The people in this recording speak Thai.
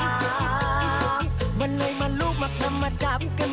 น้ำพริกให้กินนะครับ